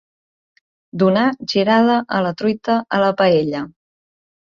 Donar girada a la truita a la paella.